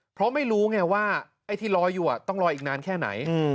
เพราะไม่รู้ไงว่าไอ้ที่ลอยอยู่ต้องลอยอีกนานแค่ไหน